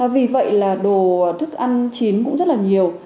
vì vậy là đồ thức ăn chín cũng rất là nhiều